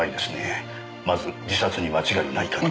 まず自殺に間違いないかと。